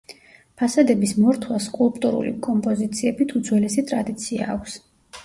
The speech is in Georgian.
ფასადების მორთვას სკულპტურული კომპოზიციებით, უძველესი ტრადიცია აქვს.